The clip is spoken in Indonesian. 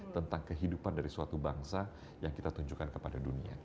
tentang kehidupan dari suatu bangsa yang kita tunjukkan kepada dunia